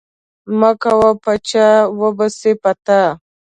مه کوه په چا وبه سي په تا.